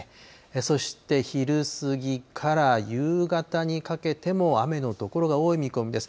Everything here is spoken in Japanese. そして昼過ぎから夕方にかけても雨の所が多い見込みです。